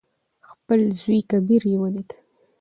خپل زوى کبير يې ولېد.